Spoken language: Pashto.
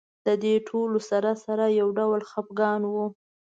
د دې ټولو سره سره یو ډول خپګان و.